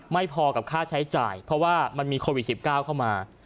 ไม่พอกับค่าใช้จ่ายเพราะว่ามันมีโควิด๑๙เข้ามา